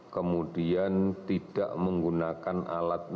kemudian tidak menggunakan alat berat